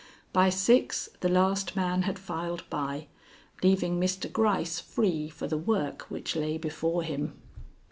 By six the last man had filed by, leaving Mr. Gryce free for the work which lay before him.